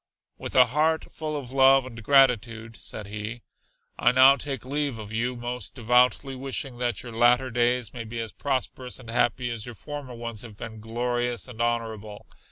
"With a heart full of love and gratitude," said he, "I now take leave of you, most devoutly wishing that your latter days may be as prosperous and happy as your former ones have been glorious and honorable.